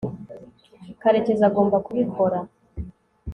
karekezi agomba kubikora